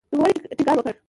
نوموړي ټینګار وکړ